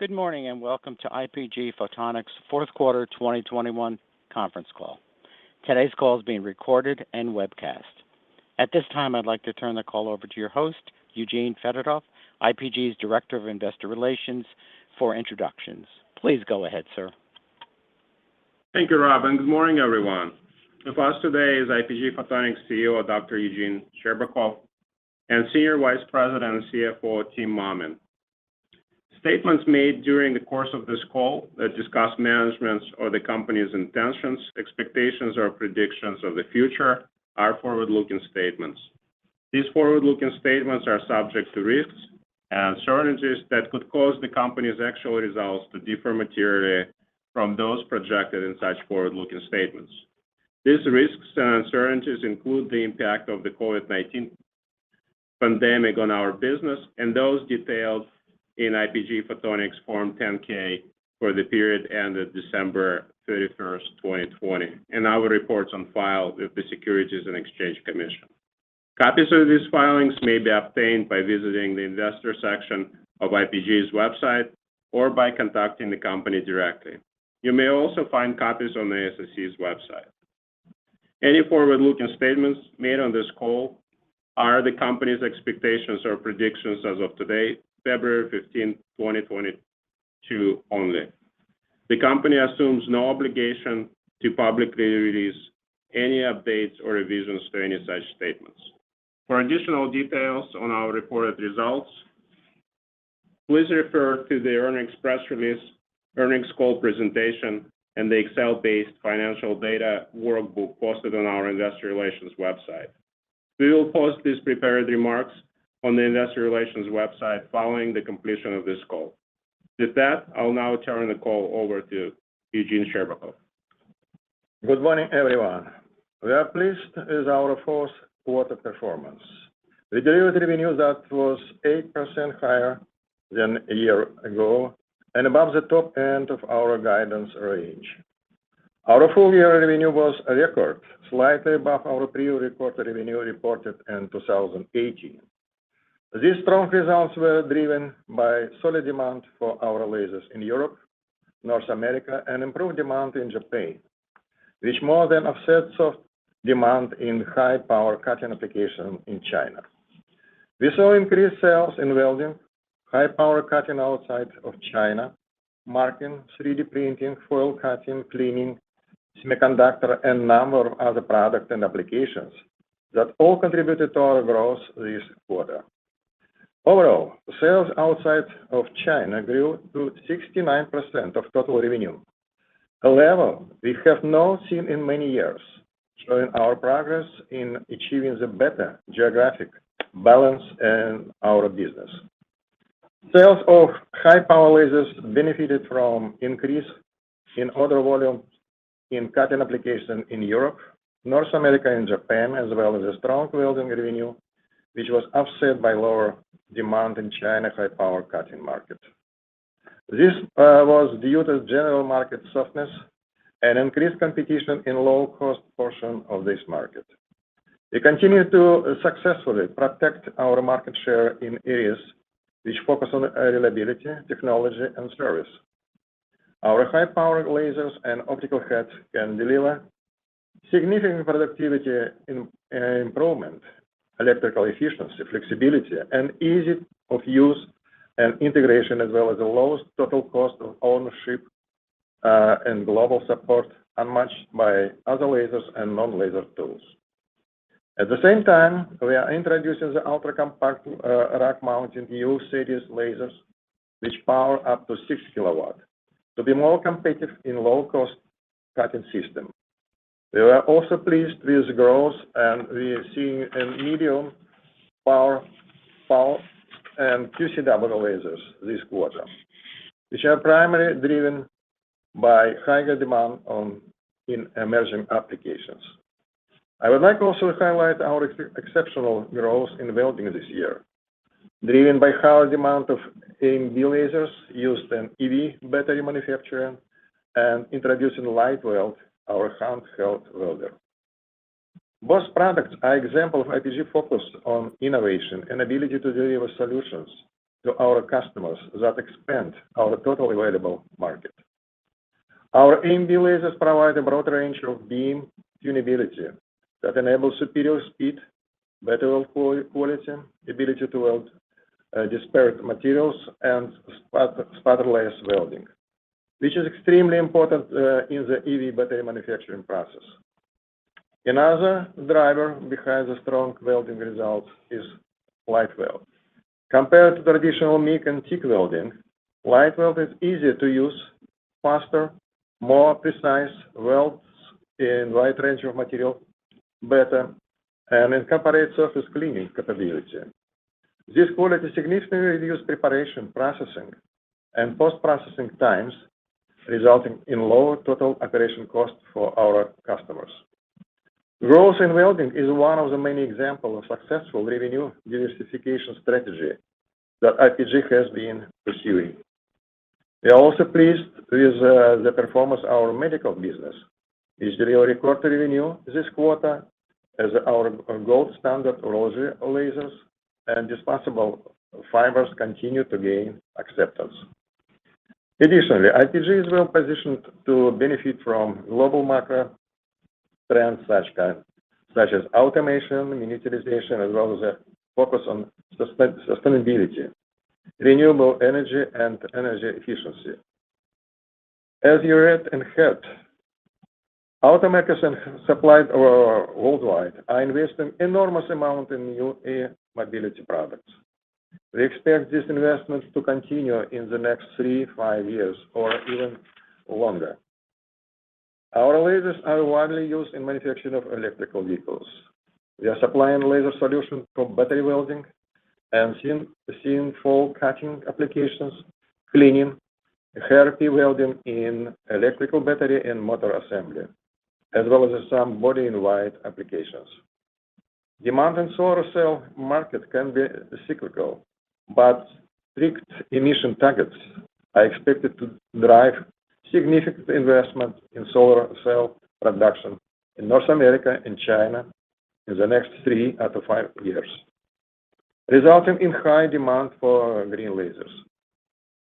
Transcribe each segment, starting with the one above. Good morning, and welcome to IPG Photonics' fourth quarter 2021 conference call. Today's call is being recorded and webcast. At this time, I'd like to turn the call over to your host, Eugene Fedotoff, IPG's Director of Investor Relations for introductions. Please go ahead, sir. Thank you, Rob, and good morning, everyone. With us today is IPG Photonics CEO, Dr. Eugene Shcherbakov, and Senior Vice President and CFO, Timothy Mammen. Statements made during the course of this call that discuss management's or the company's intentions, expectations, or predictions of the future are forward-looking statements. These forward-looking statements are subject to risks and uncertainties that could cause the company's actual results to differ materially from those projected in such forward-looking statements. These risks and uncertainties include the impact of the COVID-19 pandemic on our business and those detailed in IPG Photonics Form 10-K for the period ended December 31, 2020, and our reports on file with the Securities and Exchange Commission. Copies of these filings may be obtained by visiting the investor section of IPG's website or by contacting the company directly. You may also find copies on the SEC's website. Any forward-looking statements made on this call are the company's expectations or predictions as of today, February 15, 2022 only. The company assumes no obligation to publicly release any updates or revisions to any such statements. For additional details on our reported results, please refer to the earnings press release, earnings call presentation, and the Excel-based financial data workbook posted on our investor relations website. We will post these prepared remarks on the investor relations website following the completion of this call. With that, I'll now turn the call over to Eugene Shcherbakov. Good morning, everyone. We are pleased with our fourth quarter performance. We delivered revenue that was 8% higher than a year ago and above the top end of our guidance range. Our full-year revenue was a record, slightly above our prior record revenue reported in 2018. These strong results were driven by solid demand for our lasers in Europe, North America, and improved demand in Japan, which more than offsets soft demand in high power cutting applications in China. We saw increased sales in welding, high power cutting outside of China, marking, 3D printing, foil cutting, cleaning, semiconductor, and a number of other products and applications that all contributed to our growth this quarter. Overall, sales outside of China grew to 69% of total revenue, a level we have not seen in many years, showing our progress in achieving the better geographic balance in our business. Sales of high power lasers benefited from an increase in order volume in cutting application in Europe, North America, and Japan, as well as a strong welding revenue, which was offset by lower demand in China high power cutting market. This was due to general market softness and increased competition in low cost portion of this market. We continue to successfully protect our market share in areas which focus on reliability, technology, and service. Our high power lasers and optical heads can deliver significant productivity improvement, electrical efficiency, flexibility, and ease of use and integration as well as the lowest total cost of ownership, and global support unmatched by other lasers and non-laser tools. At the same time, we are introducing the ultra-compact rack mount YLR series lasers which power up to 6 kW to be more competitive in low-cost cutting system. We are also pleased with growth, and we are seeing in medium power, pulse, and QCW lasers this quarter, which are primarily driven by higher demand in emerging applications. I would like to also highlight our exceptional growth in welding this year, driven by high demand for AMB lasers used in EV battery manufacturing and introducing LightWELD, our handheld welder. Both products are example of IPG focus on innovation and ability to deliver solutions to our customers that expand our total available market. Our AMB lasers provide a broad range of beam tunability that enables superior speed, better weld quality, ability to weld disparate materials, and spotless welding, which is extremely important in the EV battery manufacturing process. Another driver behind the strong welding results is LightWELD. Compared to traditional MIG and TIG welding, LightWELD is easier to use, faster, more precise welds in wide range of material better, and incorporates surface cleaning capability. This quality significantly reduce preparation processing and post-processing times, resulting in lower total operation cost for our customers. Growth in welding is one of the many example of successful revenue diversification strategy that IPG has been pursuing. We are also pleased with the performance our medical business. It's a real record revenue this quarter as our gold standard lasers and disposable fibers continue to gain acceptance. Additionally, IPG is well-positioned to benefit from global market trends such as automation, miniaturization, as well as a focus on sustainability, renewable energy, and energy efficiency. As you read ahead, automakers and suppliers worldwide are investing enormous amount in new mobility products. We expect these investments to continue in the next three, five years or even longer. Our lasers are widely used in manufacturing of electric vehicles. We are supplying laser solutions for battery welding and seam, foil cutting applications, cleaning, battery welding in electric battery and motor assembly, as well as some body-in-white applications. Demand in solar cell market can be cyclical, but strict emission targets are expected to drive significant investment in solar cell production in North America and China in the next three, five years, resulting in high demand for green lasers.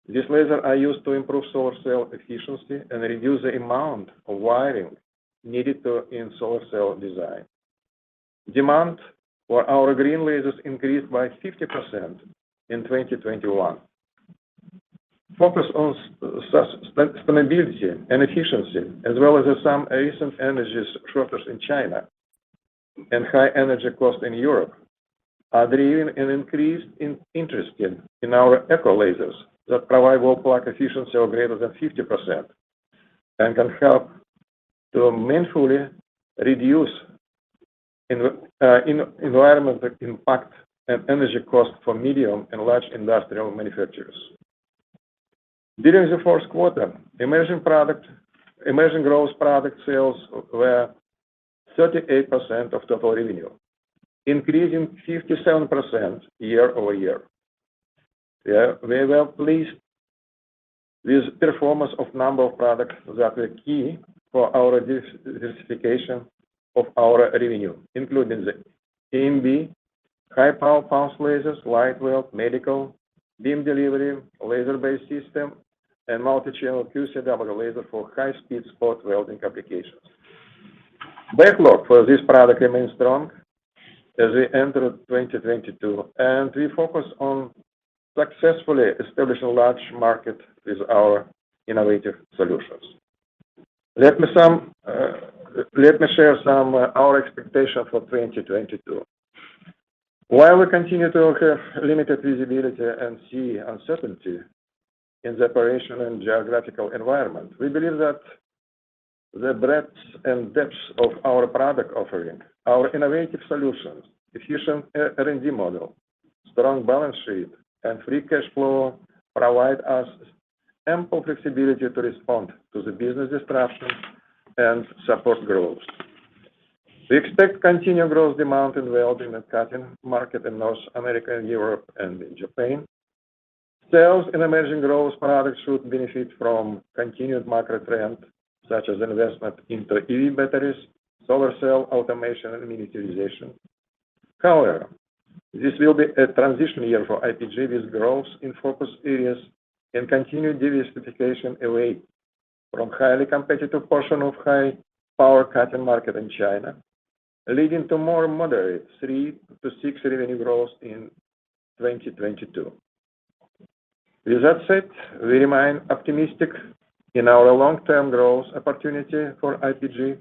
These lasers are used to improve solar cell efficiency and reduce the amount of wiring needed in solar cell design. Demand for our green lasers increased by 50% in 2021. Focus on sustainability and efficiency as well as some recent energy shortages in China and high energy costs in Europe are driving an increased interest in our ECO lasers that provide overall efficiency of greater than 50% and can help to meaningfully reduce environmental impact and energy costs for medium and large industrial manufacturers. During the fourth quarter, emerging growth product sales were 38% of total revenue, increasing 57% year-over-year. We are well pleased with performance of number of products that were key for our diversification of our revenue, including the AMB, high power pulse lasers, LightWELD, medical, beam delivery, laser-based system, and multichannel Q-switched double laser for high-speed spot welding applications. Backlog for this product remains strong as we enter 2022, and we focus on successfully establishing a large market with our innovative solutions. Let me share some of our expectations for 2022. While we continue to have limited visibility and see uncertainty in the operational and geographical environment, we believe that the breadth and depth of our product offering, our innovative solutions, efficient R&D model, strong balance sheet, and free cash flow provide us ample flexibility to respond to the business disruptions and support growth. We expect continued growth demand in welding and cutting market in North America and Europe and in Japan. Sales in emerging growth products should benefit from continued market trend such as investment into EV batteries, solar cell automation, and miniaturization. However, this will be a transition year for IPG with growth in focus areas and continued diversification away from highly competitive portion of high-power cutting market in China, leading to more moderate 3%-6% revenue growth in 2022. With that said, we remain optimistic in our long-term growth opportunity for IPG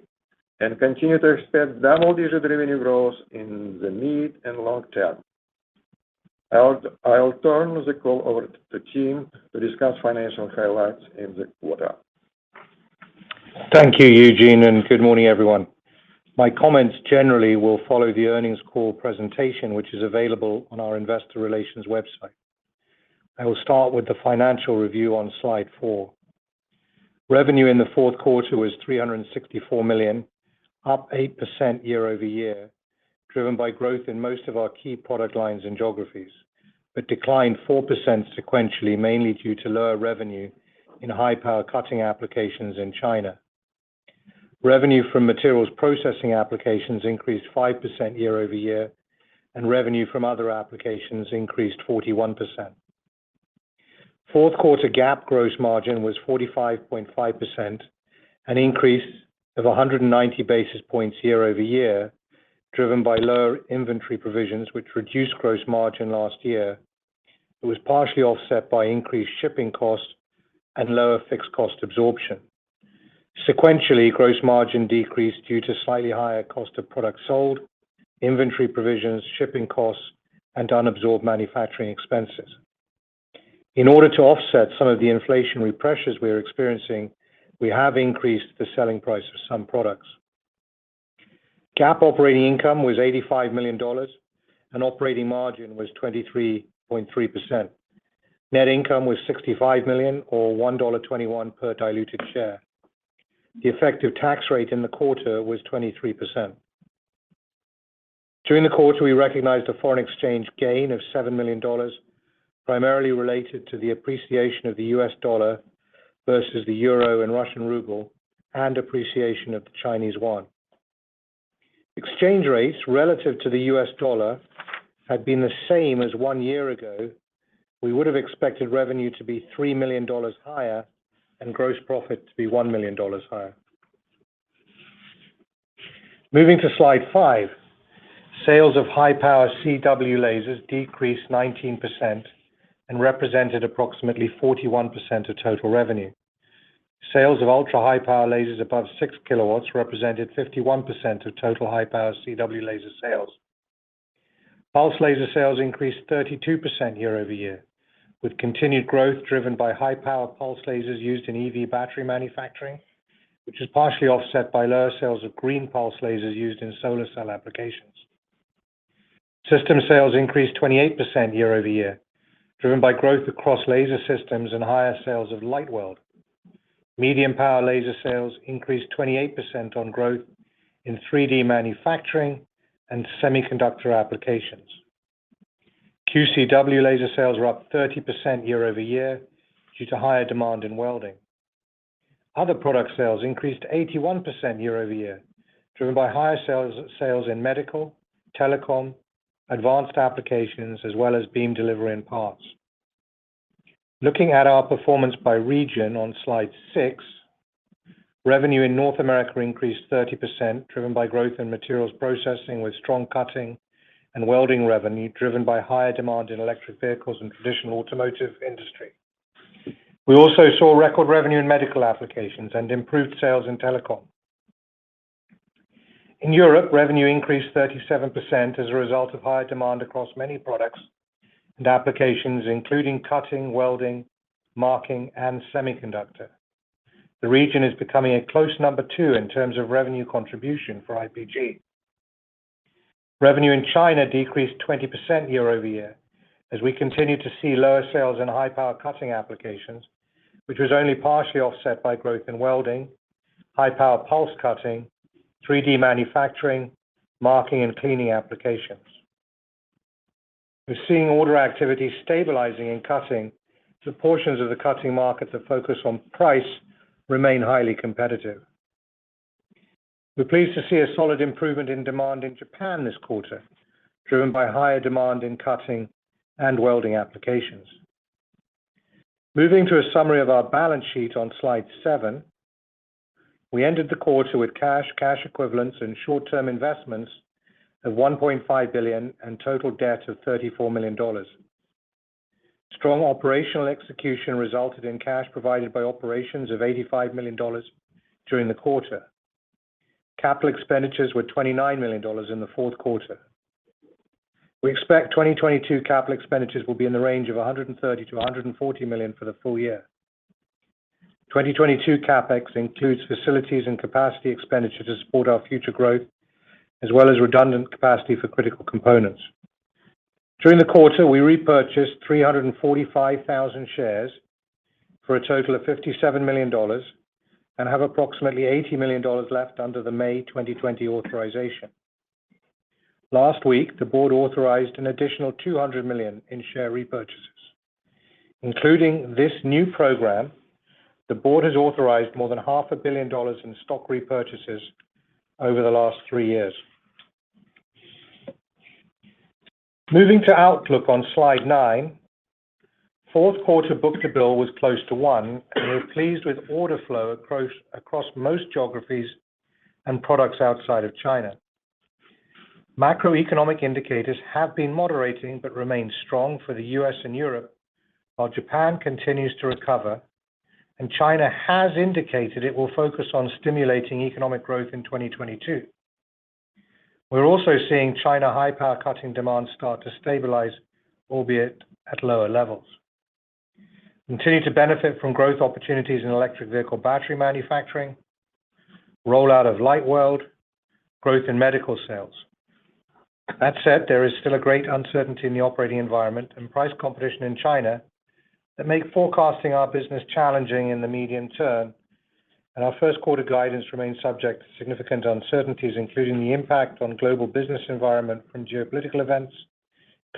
and continue to expect double-digit revenue growth in the mid and long term. I'll turn the call over to Tim to discuss financial highlights in the quarter. Thank you, Eugene, and good morning, everyone. My comments generally will follow the earnings call presentation, which is available on our investor relations website. I will start with the financial review on slide four. Revenue in the fourth quarter was $364 million, up 8% year over year, driven by growth in most of our key product lines and geographies, but declined 4% sequentially, mainly due to lower revenue in high-power cutting applications in China. Revenue from materials processing applications increased 5% year over year, and revenue from other applications increased 41%. Fourth quarter GAAP gross margin was 45.5%, an increase of 190 basis points year over year, driven by lower inventory provisions which reduced gross margin last year. It was partially offset by increased shipping costs and lower fixed cost absorption. Sequentially, gross margin decreased due to slightly higher cost of products sold, inventory provisions, shipping costs, and unabsorbed manufacturing expenses. In order to offset some of the inflationary pressures we are experiencing, we have increased the selling price of some products. GAAP operating income was $85 million and operating margin was 23.3%. Net income was $65 million or $1.21 per diluted share. The effective tax rate in the quarter was 23%. During the quarter, we recognized a foreign exchange gain of $7 million, primarily related to the appreciation of the U.S dollar versus the euro and Russian ruble and appreciation of the Chinese yuan. Exchange rates relative to the US dollar had been the same as one year ago. We would have expected revenue to be $3 million higher and gross profit to be $1 million higher. Moving to slide five. Sales of high-power CW lasers decreased 19% and represented approximately 41% of total revenue. Sales of ultra-high power lasers above 6 kWh represented 51% of total high-power CW laser sales. Pulse laser sales increased 32% year-over-year, with continued growth driven by high-power pulse lasers used in EV battery manufacturing, which is partially offset by lower sales of green pulse lasers used in solar cell applications. System sales increased 28% year-over-year, driven by growth across laser systems and higher sales of LightWELD. Medium power laser sales increased 28% on growth in 3D manufacturing and semiconductor applications. QCW laser sales were up 30% year-over-year due to higher demand in welding. Other product sales increased 81% year-over-year, driven by higher sales in medical, telecom, advanced applications, as well as beam delivery and parts. Looking at our performance by region on slide six, revenue in North America increased 30%, driven by growth in materials processing with strong cutting and welding revenue, driven by higher demand in electric vehicles and traditional automotive industry. We also saw record revenue in medical applications and improved sales in telecom. In Europe, revenue increased 37% as a result of higher demand across many products and applications, including cutting, welding, marking, and semiconductor. The region is becoming a close number two in terms of revenue contribution for IPG. Revenue in China decreased 20% year-over-year as we continue to see lower sales in high-power cutting applications, which was only partially offset by growth in welding, high-power pulse cutting, 3D manufacturing, marking, and cleaning applications. We're seeing order activity stabilizing in cutting. The portions of the cutting market that focus on price remain highly competitive. We're pleased to see a solid improvement in demand in Japan this quarter, driven by higher demand in cutting and welding applications. Moving to a summary of our balance sheet on slide seven. We ended the quarter with cash equivalents, and short-term investments of $1.5 billion and total debt of $34 million. Strong operational execution resulted in cash provided by operations of $85 million during the quarter. Capital expenditures were $29 million in the fourth quarter. We expect 2022 capital expenditures will be in the range of $130 million-$140 million for the full year. 2022 CapEx includes facilities and capacity expenditure to support our future growth, as well as redundant capacity for critical components. During the quarter, we repurchased 345,000 shares for a total of $57 million and have approximately $80 million left under the May 2020 authorization. Last week, the board authorized an additional $200 million in share repurchases. Including this new program, the board has authorized more than $500 million in stock repurchases over the last three years. Moving to outlook on slide nine. Fourth quarter book-to-bill was close to one, and we're pleased with order flow across most geographies and products outside of China. Macroeconomic indicators have been moderating but remain strong for the U.S. and Europe, while Japan continues to recover and China has indicated it will focus on stimulating economic growth in 2022. We're also seeing China high-power cutting demand start to stabilize, albeit at lower levels. Continue to benefit from growth opportunities in electric vehicle battery manufacturing, rollout of LightWELD, growth in medical sales. That said, there is still a great uncertainty in the operating environment and price competition in China that make forecasting our business challenging in the medium term. Our first quarter guidance remains subject to significant uncertainties, including the impact on global business environment from geopolitical events,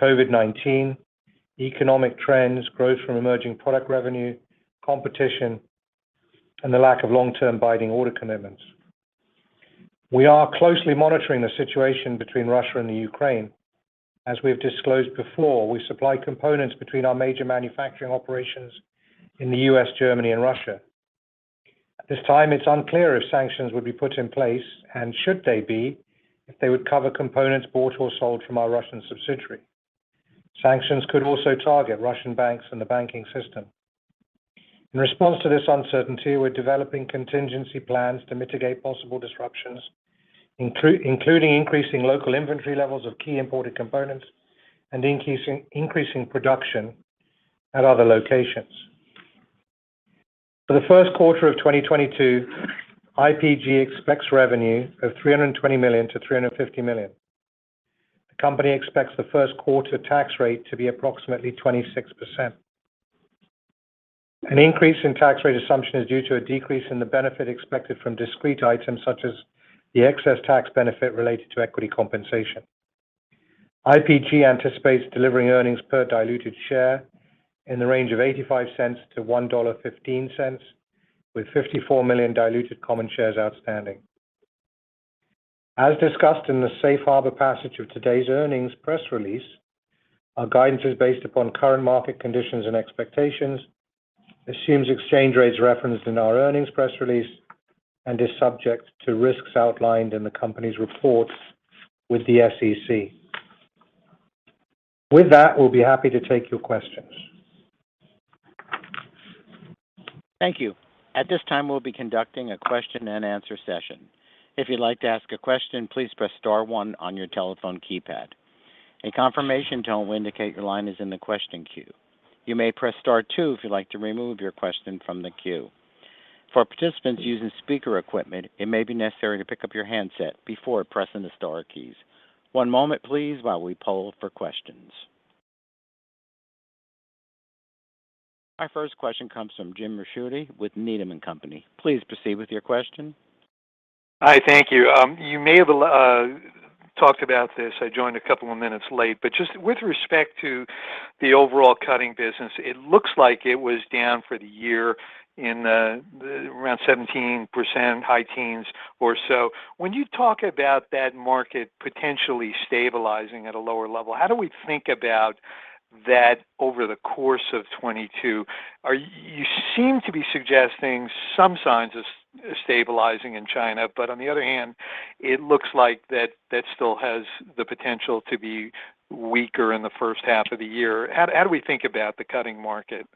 COVID-19, economic trends, growth from emerging product revenue, competition, and the lack of long-term binding order commitments. We are closely monitoring the situation between Russia and Ukraine. As we have disclosed before, we supply components between our major manufacturing operations in the U.S., Germany, and Russia. At this time, it's unclear if sanctions would be put in place, and should they be, if they would cover components bought or sold from our Russian subsidiary. Sanctions could also target Russian banks and the banking system. In response to this uncertainty, we're developing contingency plans to mitigate possible disruptions, including increasing local inventory levels of key imported components and increasing production at other locations. For the first quarter of 2022, IPG expects revenue of $320 million-$350 million. The company expects the first quarter tax rate to be approximately 26%. An increase in tax rate assumption is due to a decrease in the benefit expected from discrete items such as the excess tax benefit related to equity compensation. IPG anticipates delivering earnings per diluted share in the range of $0.85-$1.15, with 54 million diluted common shares outstanding. As discussed in the Safe Harbor passage of today's earnings press release, our guidance is based upon current market conditions and expectations, assumes exchange rates referenced in our earnings press release, and is subject to risks outlined in the company's reports with the SEC. With that, we'll be happy to take your questions. Thank you. At this time, we'll be conducting a question-and-answer session. If you'd like to ask a question, please press star one on your telephone keypad. A confirmation tone will indicate your line is in the question queue. You may press star two if you'd like to remove your question from the queue. For participants using speaker equipment, it may be necessary to pick up your handset before pressing the star keys. One moment please while we poll for questions. Our first question comes from Jim Ricchiuti with Needham & Company. Please proceed with your question. Hi. Thank you. You may have talked about this. I joined a couple of minutes late. Just with respect to the overall cutting business, it looks like it was down for the year in around 17%, high teens or so. When you talk about that market potentially stabilizing at a lower level, how do we think about that over the course of 2022? You seem to be suggesting some signs of stabilizing in China, but on the other hand, it looks like that still has the potential to be weaker in the first half of the year. How do we think about the cutting market?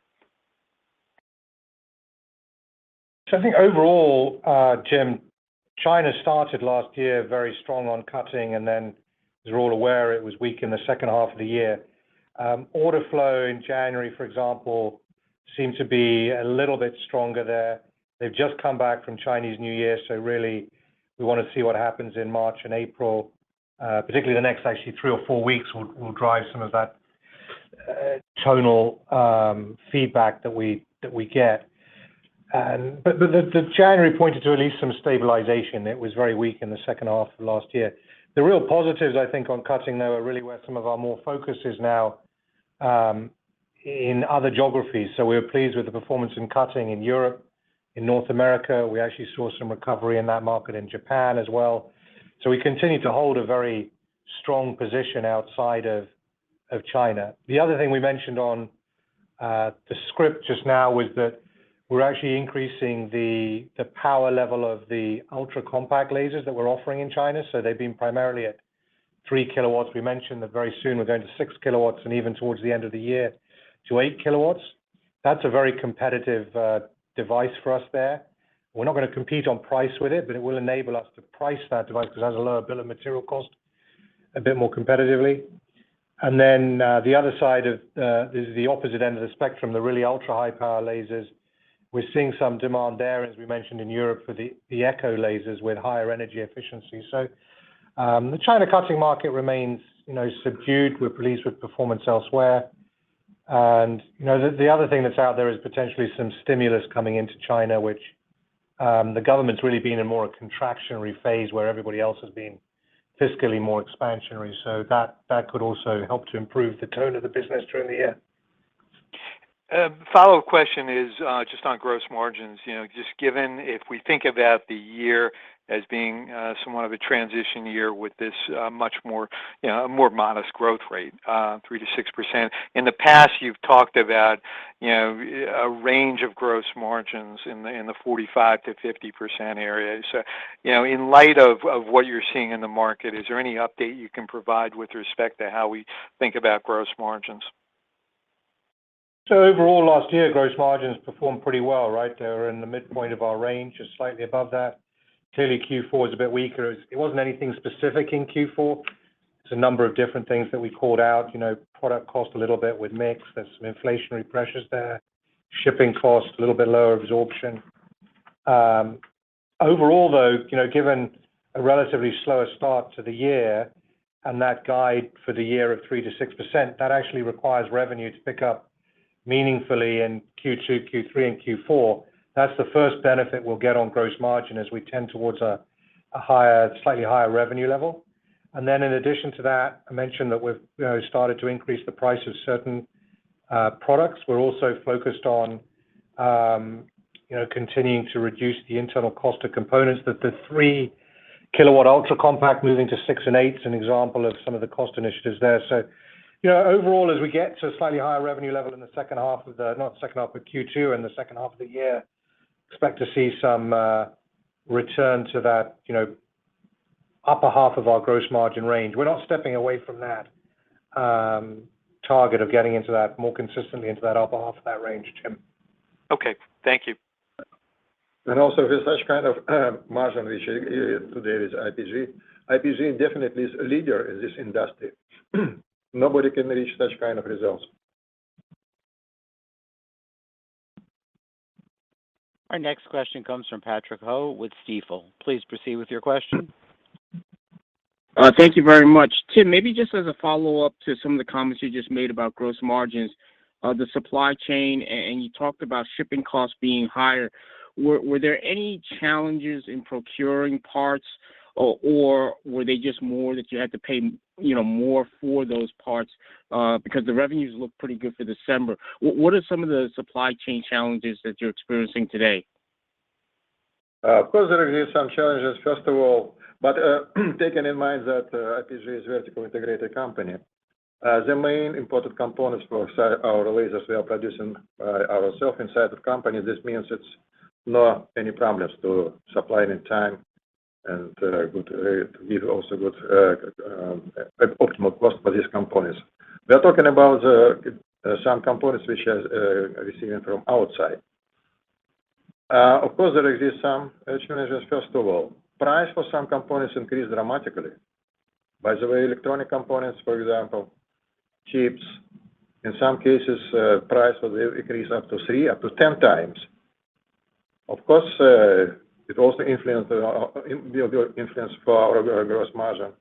I think overall, Jim, China started last year very strong on cutting, and then as we're all aware, it was weak in the second half of the year. Order flow in January, for example, seemed to be a little bit stronger there. They've just come back from Chinese New Year, so really we wanna see what happens in March and April, particularly the next actually three or four weeks will drive some of that tonal feedback that we get. The January pointed to at least some stabilization. It was very weak in the second half of last year. The real positives I think on cutting though are really where some of our more focus is now in other geographies. We're pleased with the performance in cutting in Europe, in North America. We actually saw some recovery in that market in Japan as well. We continue to hold a very strong position outside of China. The other thing we mentioned on the script just now was that we're actually increasing the power level of the ultra-compact lasers that we're offering in China. They've been primarily at 3 kW. We mentioned that very soon we're going to 6 kW, and even towards the end of the year to 8 kW. That's a very competitive device for us there. We're not gonna compete on price with it, but it will enable us to price that device, 'cause it has a lower bill of material cost, a bit more competitively. The other side of the opposite end of the spectrum, the really ultra-high power lasers, we're seeing some demand there, as we mentioned, in Europe for the ECO lasers with higher energy efficiency. The China cutting market remains, you know, subdued. We're pleased with performance elsewhere. You know, the other thing that's out there is potentially some stimulus coming into China, which the government's really been in more a contractionary phase, where everybody else has been fiscally more expansionary. That could also help to improve the tone of the business during the year. A follow-up question is just on gross margins. You know, just given if we think about the year as being somewhat of a transition year with this much more, you know, more modest growth rate, 3%-6%. In the past you've talked about, you know, a range of gross margins in the 45%-50% area. You know, in light of what you're seeing in the market, is there any update you can provide with respect to how we think about gross margins? Overall last year, gross margins performed pretty well, right? They were in the midpoint of our range or slightly above that. Clearly Q4 was a bit weaker. It wasn't anything specific in Q4. It's a number of different things that we called out. You know, product cost a little bit with mix. There's some inflationary pressures there. Shipping costs, a little bit lower absorption. Overall though, you know, given a relatively slower start to the year and that guide for the year of 3%-6%, that actually requires revenue to pick up meaningfully in Q2, Q3, and Q4. That's the first benefit we'll get on gross margin as we tend towards a higher, slightly higher revenue level. And then in addition to that, I mentioned that we've, you know, started to increase the price of certain products. We're also focused on, you know, continuing to reduce the internal cost of components that the 3-kilowatt ultra-compact moving to six and eight is an example of some of the cost initiatives there. Overall, as we get to a slightly higher revenue level in Q2 and the second half of the year, expect to see some return to that, you know, upper half of our gross margin range. We're not stepping away from that target of getting into that more consistently into that upper half of that range, Jim. Okay. Thank you. Also with such kind of margin which today is IPG definitely is a leader in this industry. Nobody can reach such kind of results. Our next question comes from Patrick Ho with Stifel. Please proceed with your question. Thank you very much. Tim, maybe just as a follow-up to some of the comments you just made about gross margins, the supply chain, and you talked about shipping costs being higher. Were there any challenges in procuring parts or were they just more that you had to pay, you know, more for those parts? Because the revenues look pretty good for December. What are some of the supply chain challenges that you're experiencing today? Of course there are some challenges, first of all, but taking in mind that IPG is a vertically integrated company, the main important components for our lasers we are producing ourselves inside the company. This means it's not any problems to supply in time and good rate. We've also got an optimal cost for these components. We are talking about some components which is receiving from outside. Of course there exists some challenges, first of all. Price for some components increased dramatically. By the way, electronic components, for example, chips, in some cases, price will increase up to three, up to 10 times. Of course, it also will influence our gross margin.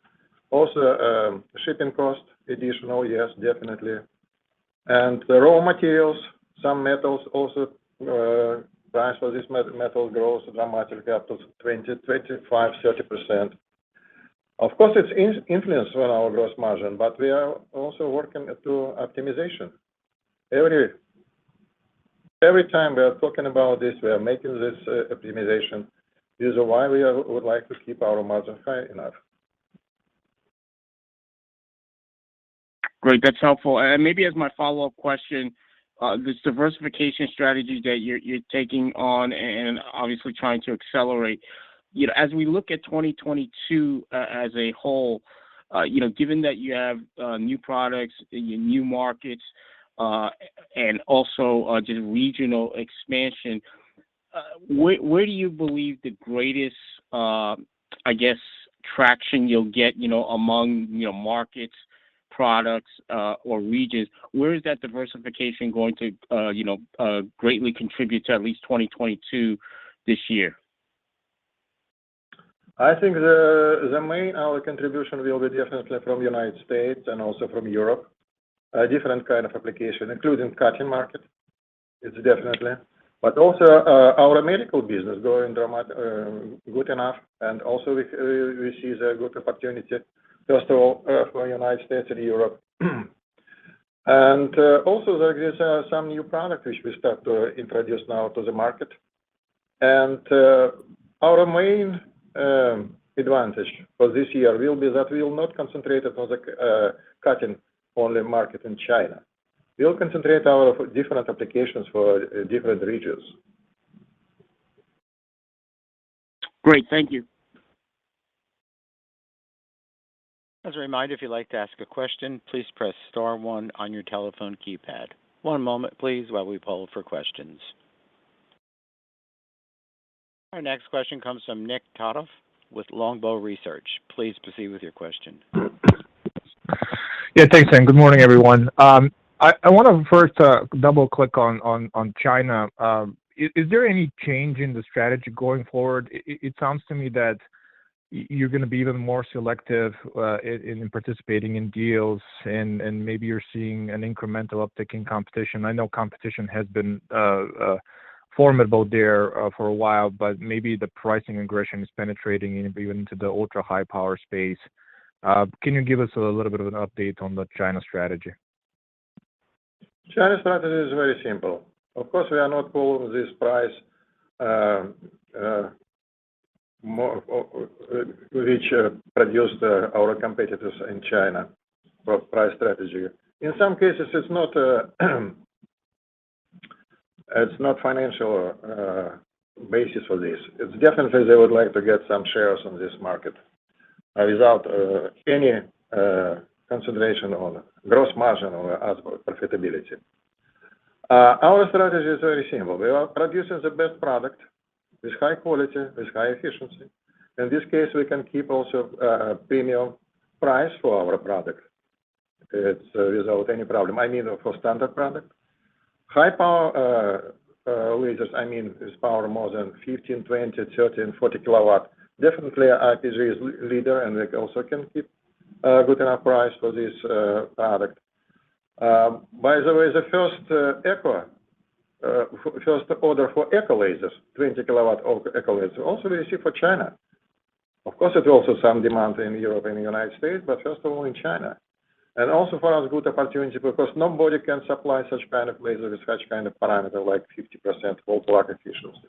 Also, shipping costs, additional, yes, definitely. The raw materials, some metals also, price for this metal grows dramatically up to 20, 25, 30%. Of course it's influenced with our gross margin, but we are also working to optimization. Every time we are talking about this, we are making this optimization. This is why we would like to keep our margin high enough. Great. That's helpful. Maybe as my follow-up question, this diversification strategy that you're taking on and, obviously trying to accelerate, you know, as we look at 2022, as a whole, you know, given that you have, new products, new markets, and also, just regional expansion, where do you believe the greatest, I guess, traction you'll get, you know, among, you know, markets, products, or regions? Where is that diversification going to, you know, greatly contribute to at least 2022 this year? I think the main our contribution will be definitely from United States and also from Europe. A different kind of application, including cutting market, it's definitely. But also, our medical business growing dramatically, good enough, and also we see the good opportunity, first of all, for United States and Europe. Also there exists some new product which we start to introduce now to the market. Our main advantage for this year will be that we will not concentrate on the cutting only market in China. We'll concentrate our different applications for different regions. Great. Thank you. As a reminder, if you'd like to ask a question, please press star one on your telephone keypad. One moment, please, while we poll for questions. Our next question comes from Nik Todorov with Longbow Research. Please proceed with your question. Yeah, thanks. Good morning, everyone. I wanna first double-click on China. Is there any change in the strategy going forward? It sounds to me that you're gonna be even more selective in participating in deals and maybe you're seeing an incremental uptick in competition. I know competition has been formidable there for a while, but maybe the pricing aggression is penetrating even into the ultra-high power space. Can you give us a little bit of an update on the China strategy? China strategy is very simple. Of course, we are not following this price war which our competitors in China pursue for price strategy. In some cases, it's not a financial basis for this. It's definitely they would like to get some shares on this market without any consideration on gross margin or as for profitability. Our strategy is very simple. We are producing the best product with high quality, with high efficiency. In this case, we can keep also a premium price for our product. It's without any problem. I mean, for standard product. High power lasers, I mean is power more than 15, 20, 30 and 40 kW, definitely IPG is leader, and we also can keep a good enough price for this product. By the way, the first order for ECO lasers, 20 kW of ECO laser, also we receive for China. Of course, it's also some demand in Europe and United States, but first of all in China. Also for us good opportunity because nobody can supply such kind of laser with such kind of parameter like 50% wall-plug efficiency,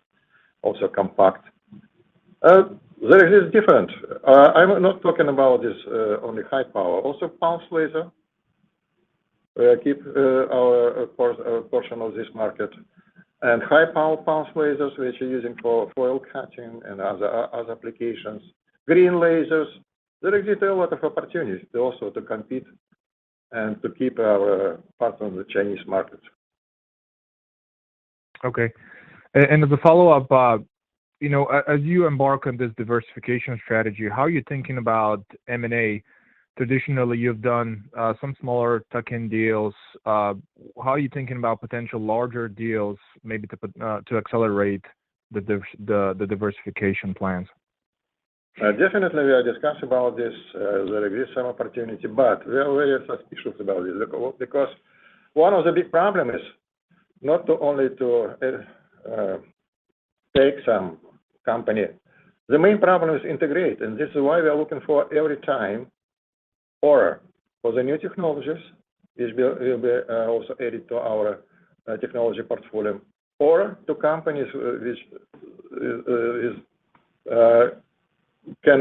also compact. They are different. I'm not talking about only high power. Also pulse laser keep our portion of this market. High power pulse lasers, which are using for foil cutting and other applications. Green lasers. There exist a lot of opportunities also to compete and to keep our part on the Chinese market. Okay. As a follow-up, you know, as you embark on this diversification strategy, how are you thinking about M&A? Traditionally, you've done some smaller tuck-in deals. How are you thinking about potential larger deals maybe to accelerate the diversification plans? Definitely we have discussed about this, there is some opportunity, but we are very suspicious about it because one of the big problem is not only to take some company. The main problem is to integrate, and this is why we are looking every time for the new technologies which will be also added to our technology portfolio or to companies which we can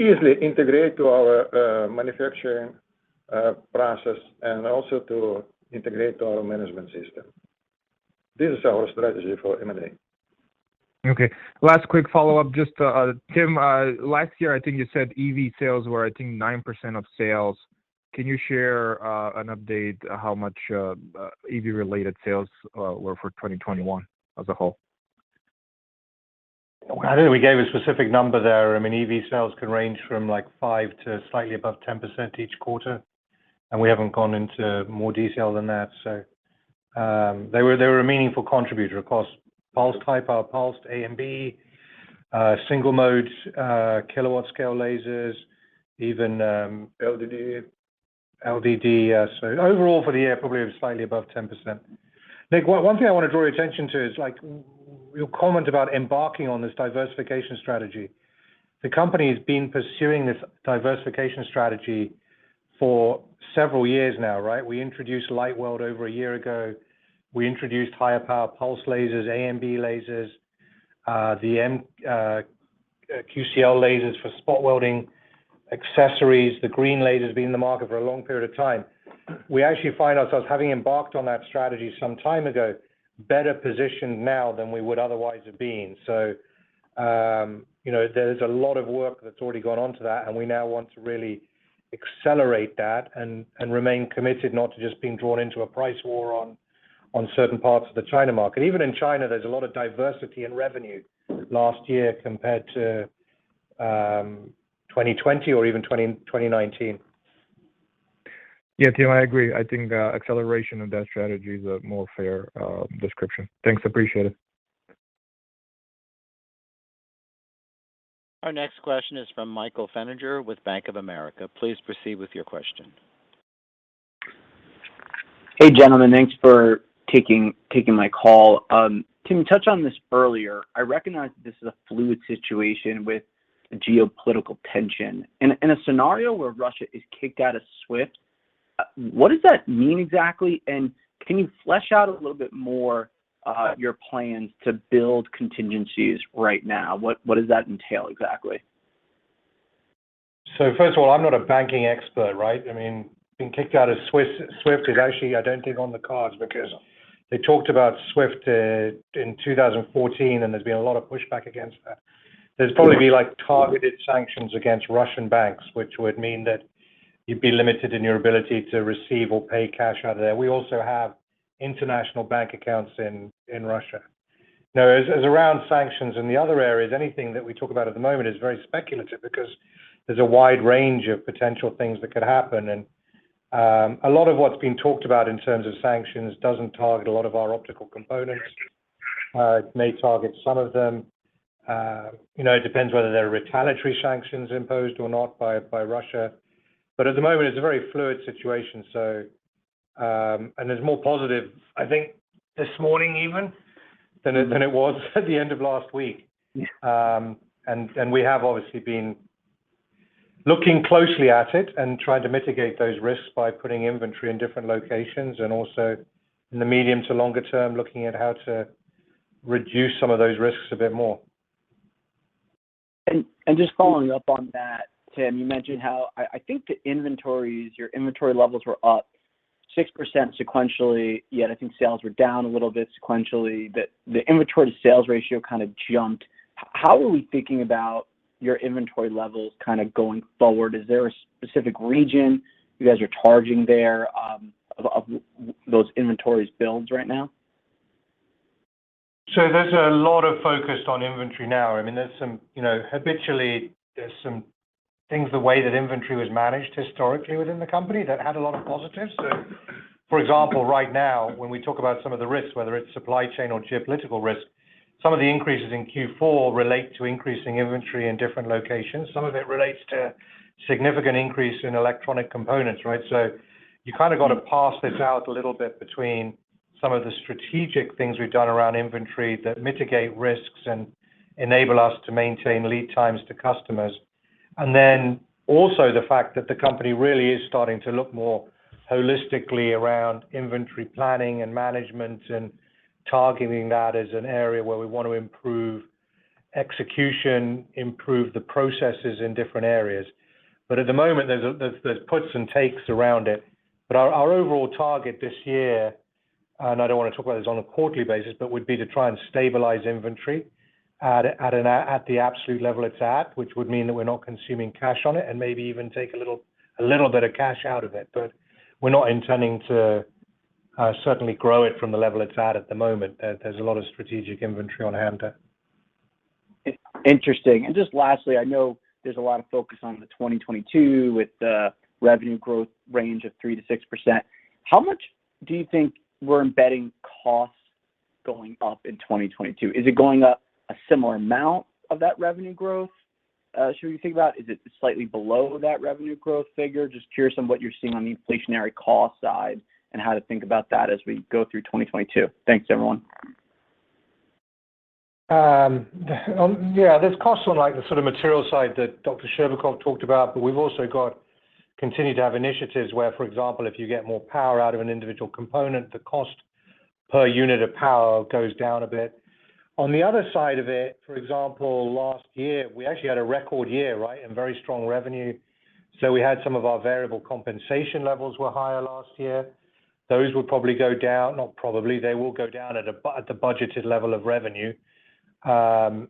easily integrate to our manufacturing process and also to integrate our management system. This is our strategy for M&A. Okay. Last quick follow-up just, Tim, last year, I think you said EV sales were, I think 9% of sales. Can you share, an update how much, EV-related sales, were for 2021 as a whole? I don't think we gave a specific number there. I mean, EV sales can range from, like, 5% to slightly above 10% each quarter, and we haven't gone into more detail than that. They were a meaningful contributor across pulsed high power, pulsed A and B, single mode, kilowatt scale lasers, even- LDD. LDD, yes. Overall for the year, probably slightly above 10%. Nick, one thing I want to draw your attention to is, like, your comment about embarking on this diversification strategy. The company has been pursuing this diversification strategy for several years now, right? We introduced LightWELD over a year ago. We introduced higher power pulsed lasers, AMB lasers, QCW lasers for spot welding accessories. The green laser has been in the market for a long period of time. We actually find ourselves, having embarked on that strategy some time ago, better positioned now than we would otherwise have been. You know, there's a lot of work that's already gone on to that, and we now want to really accelerate that and remain committed not to just being drawn into a price war on certain parts of the China market. Even in China, there's a lot of diversity in revenue last year compared to 2020 or even 2019. Yeah. Tim, I agree. I think acceleration of that strategy is a more fair description. Thanks. Appreciate it. Our next question is from Michael Feniger with Bank of America. Please proceed with your question. Hey, gentlemen. Thanks for taking my call. Tim, you touched on this earlier. I recognize that this is a fluid situation with geopolitical tension. In a scenario where Russia is kicked out of SWIFT, what does that mean exactly? And can you flesh out a little bit more your plans to build contingencies right now? What does that entail exactly? First of all, I'm not a banking expert, right? I mean, being kicked out of SWIFT is actually I don't think on the cards because they talked about SWIFT in 2014, and there's been a lot of pushback against that. There'd probably be, like, targeted sanctions against Russian banks, which would mean that you'd be limited in your ability to receive or pay cash out of there. We also have international bank accounts in Russia. Now, as far as sanctions in the other areas, anything that we talk about at the moment is very speculative because there's a wide range of potential things that could happen. A lot of what's being talked about in terms of sanctions doesn't target a lot of our optical components. It may target some of them. You know, it depends whether there are retaliatory sanctions imposed or not by Russia. At the moment, it's a very fluid situation. It's more positive, I think, this morning even than it was at the end of last week. We have obviously been looking closely at it and trying to mitigate those risks by putting inventory in different locations and also in the medium to longer term, looking at how to reduce some of those risks a bit more. Just following up on that, Tim, you mentioned how I think the inventories, your inventory levels were up 6% sequentially, yet I think sales were down a little bit sequentially. The inventory to sales ratio kind of jumped. How are we thinking about your inventory levels kind of going forward? Is there a specific region you guys are targeting there, of those inventories builds right now? There's a lot of focus on inventory now. I mean, there's some, you know, habitually there's some things the way that inventory was managed historically within the company that had a lot of positives. For example, right now when we talk about some of the risks, whether it's supply chain or geopolitical risk, some of the increases in Q4 relate to increasing inventory in different locations. Some of it relates to significant increase in electronic components, right? You kind of got to parse this out a little bit between some of the strategic things we've done around inventory that mitigate risks and enable us to maintain lead times to customers. The fact that the company really is starting to look more holistically around inventory planning and management and targeting that as an area where we want to improve execution, improve the processes in different areas. At the moment, there's puts and takes around it. Our overall target this year, and I don't want to talk about this on a quarterly basis, but would be to try and stabilize inventory at an absolute level it's at, which would mean that we're not consuming cash on it and maybe even take a little bit of cash out of it. We're not intending to certainly grow it from the level it's at at the moment. There's a lot of strategic inventory on hand. Interesting. Just lastly, I know there's a lot of focus on the 2022 with the revenue growth range of 3%-6%. How much do you think we're embedding costs going up in 2022? Is it going up a similar amount of that revenue growth, should we think about? Is it slightly below that revenue growth figure? Just curious on what you're seeing on the inflationary cost side and how to think about that as we go through 2022. Thanks, everyone. There's costs on, like, the sort of material side that Dr. Shcherbakov talked about, but we've also got continue to have initiatives where, for example, if you get more power out of an individual component, the cost per unit of power goes down a bit. On the other side of it, for example, last year, we actually had a record year, right, and very strong revenue. We had some of our variable compensation levels were higher last year. Those will probably go down, not probably, they will go down at the budgeted level of revenue. And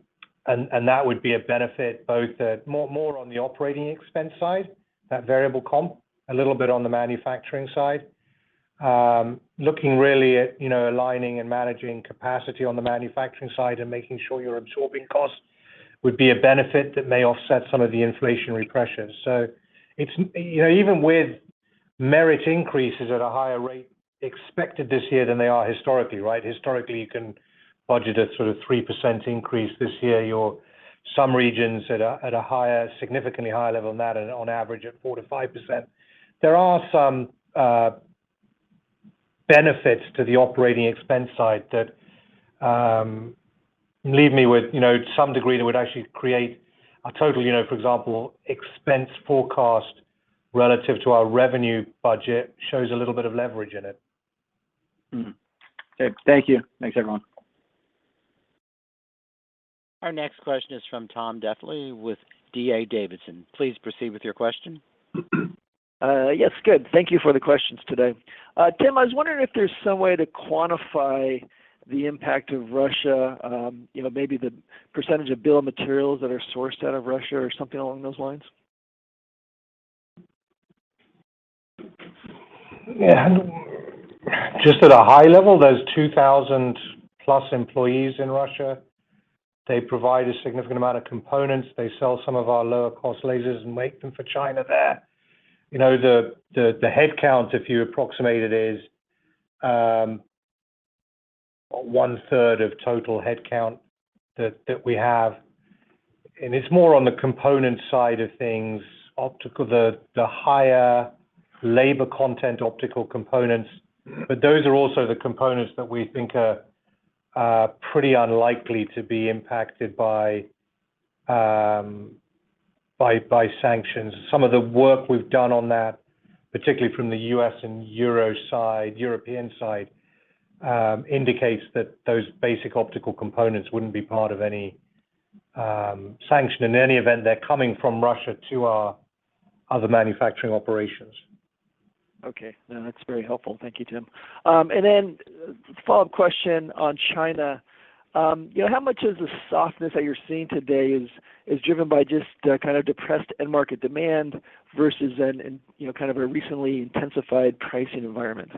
that would be a benefit both more on the operating expense side, that variable comp, a little bit on the manufacturing side. Looking really at, you know, aligning and managing capacity on the manufacturing side and making sure you're absorbing costs would be a benefit that may offset some of the inflationary pressures. It's, you know, even with merit increases at a higher rate expected this year than they are historically, right? Historically, you can budget a sort of 3% increase this year. Some regions at a higher, significantly higher level than that and on average at 4%-5%. There are some benefits to the operating expense side that leave me with, you know, to some degree that would actually create a total, you know, for example, expense forecast relative to our revenue budget, shows a little bit of leverage in it. Okay. Thank you. Thanks everyone. Our next question is from Tom Diffely with D.A. Davidson, please proceed with your question. Yes. Good. Thank you for the questions today. Tim, I was wondering if there's some way to quantify the impact of Russia, you know, maybe the percentage of bill of materials that are sourced out of Russia or something along those lines? Yeah. Just at a high level, there's 2,000+ employees in Russia. They provide a significant amount of components. They sell some of our lower cost lasers and make them for China there. You know, the head count, if you approximate it, is one third of total head count that we have, and it's more on the component side of things, the higher labor content optical components. But those are also the components that we think are pretty unlikely to be impacted by sanctions. Some of the work we've done on that, particularly from the U.S. and European side, indicates that those basic optical components wouldn't be part of any sanction. In any event, they're coming from Russia to our other manufacturing operations. Okay. No, that's very helpful. Thank you, Tim. Follow-up question on China. You know, how much of the softness that you're seeing today is driven by just kind of depressed end market demand versus an, you know, kind of a recently intensified pricing environment?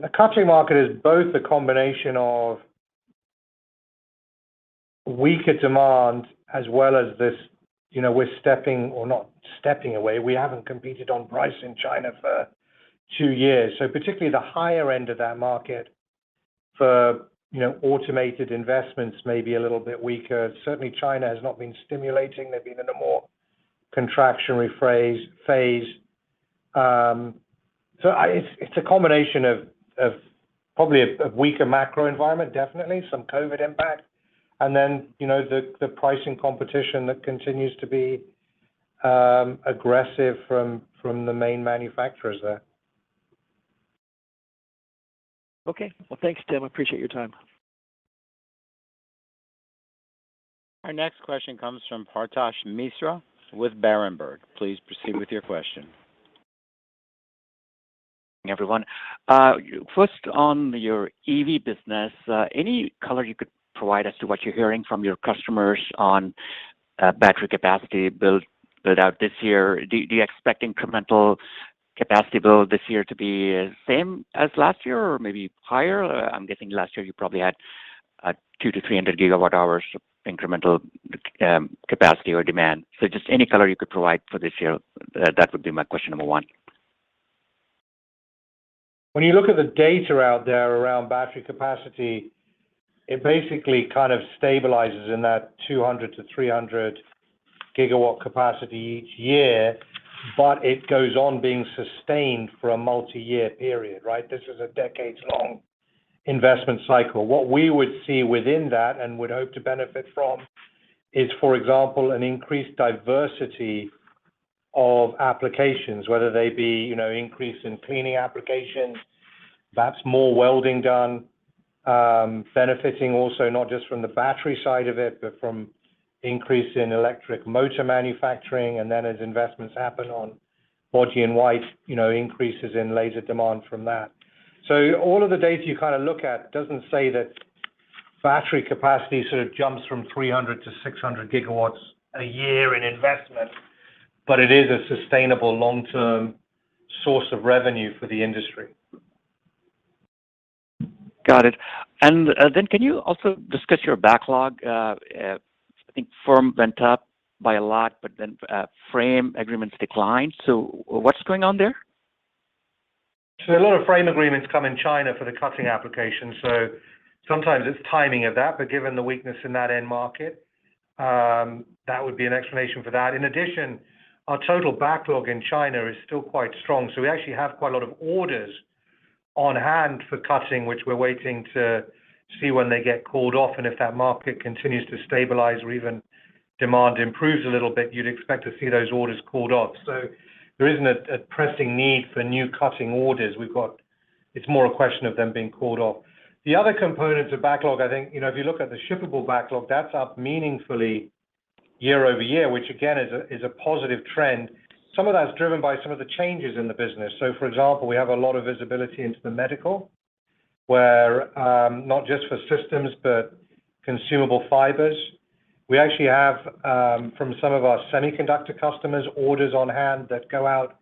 The country market is both a combination of weaker demand as well as this, you know, we're stepping or not stepping away. We haven't competed on price in China for two years, so particularly the higher end of that market for, you know, automated investments may be a little bit weaker. Certainly China has not been stimulating. They've been in a more contractionary phase. It's a combination of probably weaker macro environment, definitely some COVID impact. Then, you know, the pricing competition that continues to be aggressive from the main manufacturers there. Okay. Well, thanks Tim. I appreciate your time. Our next question comes from Paretosh Misra with Berenberg. Please proceed with your question. Everyone. First on your EV business, any color you could provide as to what you're hearing from your customers on battery capacity build out this year? Do you expect incremental capacity build this year to be same as last year or maybe higher? I'm guessing last year you probably had 200-300 gigawatt hours incremental capacity or demand. Just any color you could provide for this year. That would be my question number one. When you look at the data out there around battery capacity, it basically kind of stabilizes in that 200-300 gigawatt capacity each year. It goes on being sustained for a multi-year period, right? This is a decades-long investment cycle. What we would see within that and would hope to benefit from is, for example, an increased diversity of applications, whether they be, you know, increase in cleaning applications, perhaps more welding done, benefiting also not just from the battery side of it, but from increase in electric motor manufacturing. Then as investments happen on body-in-white, you know, increases in laser demand from that. All of the data you kind of look at doesn't say that battery capacity sort of jumps from 300 to 600 gigawatts a year in investment, but it is a sustainable long-term source of revenue for the industry. Got it. Can you also discuss your backlog? I think firm went up by a lot, but then frame agreements declined. What's going on there? A lot of frame agreements come in China for the cutting application, so sometimes it's timing of that. Given the weakness in that end market, that would be an explanation for that. In addition, our total backlog in China is still quite strong, so we actually have quite a lot of orders on hand for cutting, which we're waiting to see when they get called off. If that market continues to stabilize or even demand improves a little bit, you'd expect to see those orders called off. There isn't a pressing need for new cutting orders. It's more a question of them being called off. The other components of backlog, I think, you know, if you look at the shippable backlog, that's up meaningfully year-over-year, which again, is a positive trend. Some of that is driven by some of the changes in the business. For example, we have a lot of visibility into the medical where, not just for systems, but consumable fibers. We actually have, from some of our semiconductor customers, orders on hand that go out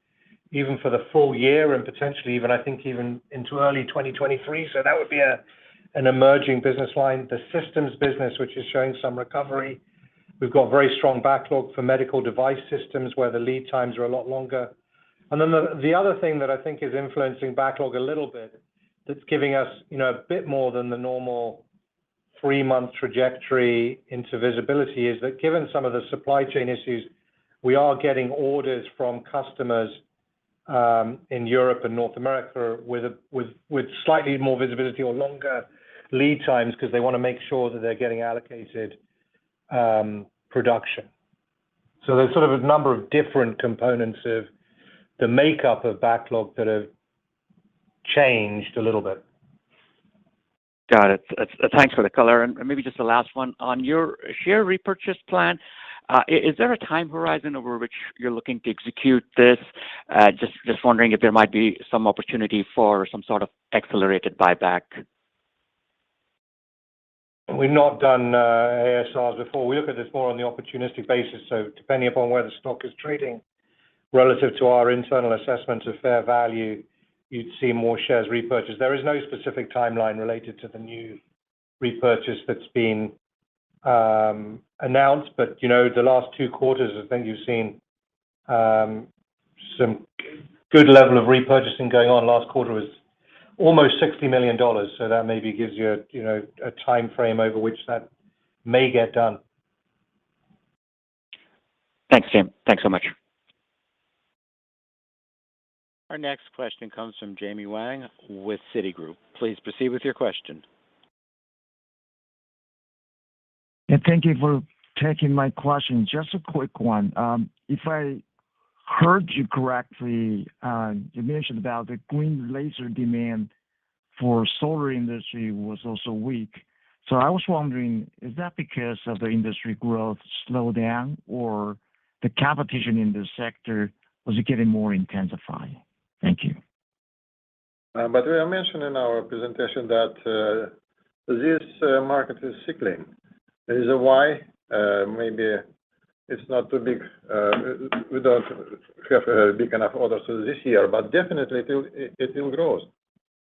even for the full year and potentially even, I think even into early 2023. That would be an emerging business line. The systems business which is showing some recovery. We've got very strong backlog for medical device systems where the lead times are a lot longer. Then the other thing that I think is influencing backlog a little bit that's giving us, you know, a bit more than the normal three-month trajectory into visibility is that given some of the supply chain issues, we are getting orders from customers in Europe and North America with slightly more visibility or longer lead times because they wanna make sure that they're getting allocated production. There's sort of a number of different components of the makeup of backlog that have changed a little bit. Got it. Thanks for the color. Maybe just the last one. On your share repurchase plan, is there a time horizon over which you're looking to execute this? Just wondering if there might be some opportunity for some sort of accelerated buyback. We've not done ASRs before. We look at this more on the opportunistic basis. Depending upon where the stock is trading relative to our internal assessment of fair value, you'd see more shares repurchased. There is no specific timeline related to the new repurchase that's been announced. You know, the last two quarters, I think you've seen some good level of repurchasing going on. Last quarter was almost $60 million, so that maybe gives you a timeframe over which that may get done. Thanks, Jim. Thanks so much. Our next question comes from Jamie Wang with Citigroup. Please proceed with your question. Yeah, thank you for taking my question. Just a quick one. If I heard you correctly, you mentioned about the green laser demand for solar industry was also weak. I was wondering, is that because of the industry growth slowdown or the competition in this sector was getting more intensified? Thank you. We mentioned in our presentation that this market is cyclical. The reason why maybe it's not too big, we don't have a big enough order for this year, but definitely it will grow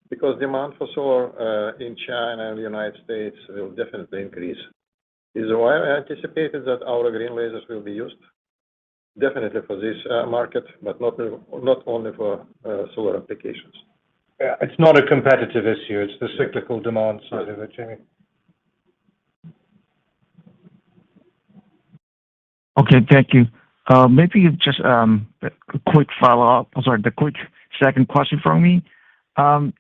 because demand for solar in China and the United States will definitely increase. That's why I anticipated that our green lasers will be used definitely for this market, but not only for solar applications. Yeah, it's not a competitive issue, it's the cyclical demand side of it, Jamie. Okay. Thank you. Maybe just a quick follow-up. I'm sorry for the quick second question from me.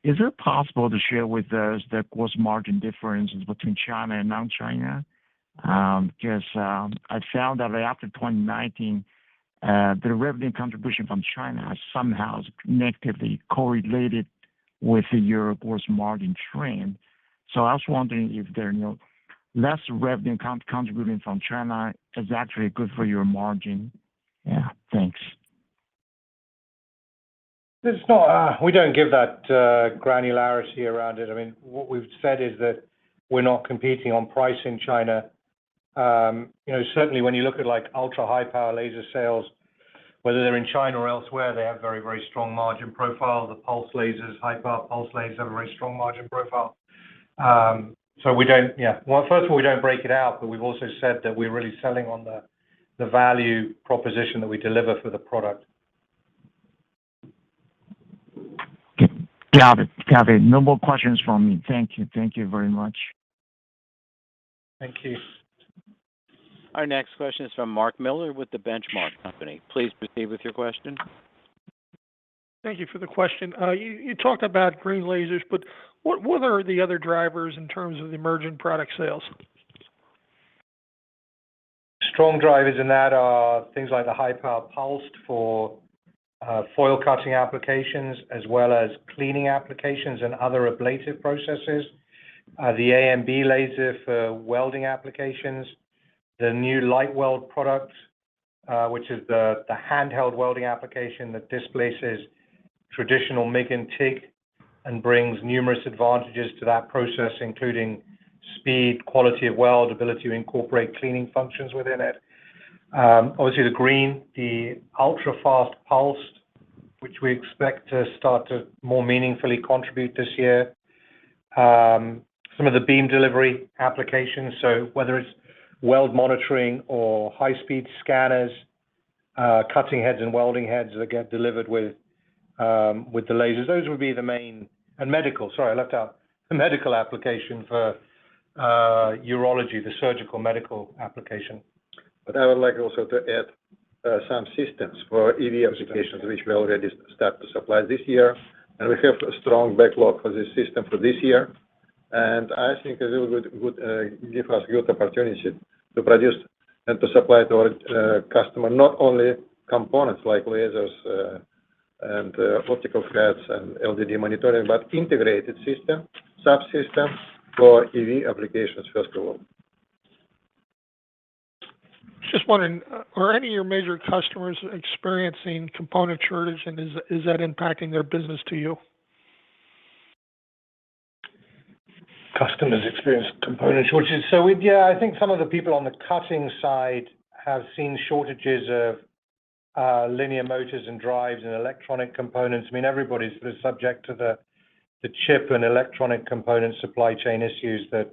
Is it possible to share with us the gross margin differences between China and non-China? Because I found that after 2019, the revenue contribution from China has somehow negatively correlated with the overall gross margin trend. I was wondering if less revenue contribution from China is actually good for your margin. Yeah. Thanks. We don't give that granularity around it. I mean, what we've said is that we're not competing on price in China. You know, certainly when you look at like ultra-high power laser sales, whether they're in China or elsewhere, they have very, very strong margin profile. The pulse lasers, high power pulse lasers have a very strong margin profile. So we don't, yeah. Well, first of all, we don't break it out, but we've also said that we're really selling on the value proposition that we deliver for the product. Got it. No more questions from me. Thank you very much. Thank you. Our next question is from Mark Miller with The Benchmark Company. Please proceed with your question. Thank you for the question. You talked about green lasers, but what are the other drivers in terms of the emerging product sales? Strong drivers in that are things like the high power pulsed for foil cutting applications as well as cleaning applications and other ablative processes. The AMB laser for welding applications. The new LightWELD product, which is the handheld welding application that displaces traditional MIG and TIG and brings numerous advantages to that process, including speed, quality of weld, ability to incorporate cleaning functions within it. Obviously the green, the ultrafast pulsed, which we expect to start to more meaningfully contribute this year. Some of the beam delivery applications, so whether it's weld monitoring or high-speed scanners, cutting heads and welding heads that get delivered with the lasers, those would be the main. Medical. Sorry, I left out the medical application for urology, the surgical medical application. I would like also to add some systems for EV applications which we already start to supply this year. We have a strong backlog for this system for this year. I think it will good give us good opportunity to produce and to supply to our customer not only components like lasers and optical heads and LDD monitoring, but integrated system, subsystems for EV applications first of all. Just wondering, are any of your major customers experiencing component shortage? Is that impacting their business to you? Customers experiencing component shortages. I think some of the people on the cutting side have seen shortages of linear motors and drives and electronic components. I mean, everybody's sort of subject to the chip and electronic component supply chain issues that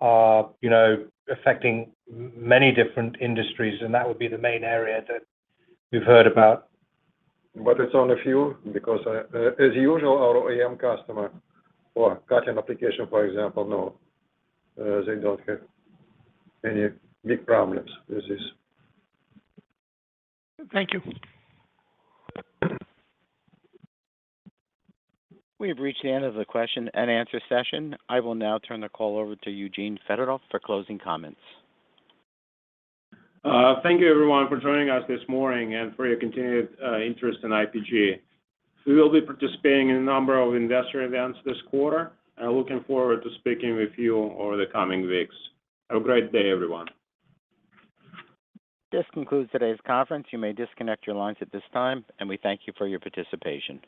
are, you know, affecting many different industries. That would be the main area that we've heard about. It's only a few because, as usual, our OEM customer for cutting application, for example, no, they don't have any big problems with this. Thank you. We have reached the end of the question and answer session. I will now turn the call over to Eugene Fedotoff for closing comments. Thank you everyone for joining us this morning and for your continued interest in IPG. We will be participating in a number of investor events this quarter, and looking forward to speaking with you over the coming weeks. Have a great day, everyone. This concludes today's conference. You may disconnect your lines at this time, and we thank you for your participation.